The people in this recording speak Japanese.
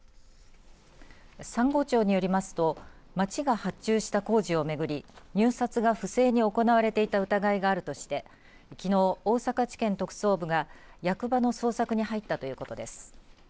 三郷町によりますと町が発注した工事を巡り入札が不正に行われていた疑いがあるとしてきのう大阪地検特捜部が役場の捜索に入ったということです。